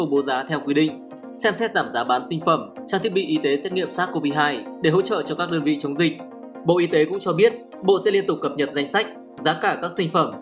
bộ y tế cũng cho biết bộ sẽ liên tục cập nhật danh sách giá cả các sinh phẩm